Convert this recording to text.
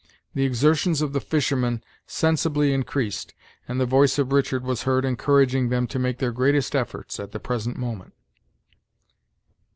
The exertions of the fishermen sensibly increased, and the voice of Richard was heard encouraging them to make their greatest efforts at the present moment.